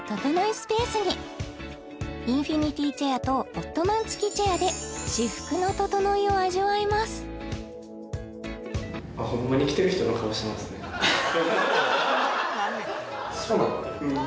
スペースにインフィニティチェアとオットマン付きチェアで至福のととのいを味わえますそうなの？